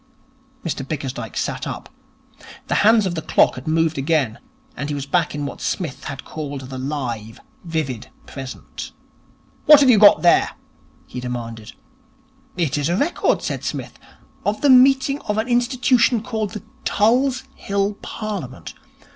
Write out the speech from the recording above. Mr Bickersdyke sat up. The hands of the clock had moved again, and he was back in what Psmith had called the live, vivid present. 'What have you got there?' he demanded. 'It is a record,' said Psmith, 'of the meeting of an institution called the Tulse Hill Parliament.